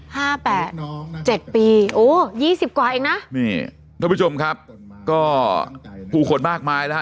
ห้าแปดเจ็ดปีโอ้ยี่สิบกว่าเองนะนี่ท่านผู้ชมครับก็ผู้คนมากมายแล้วฮะ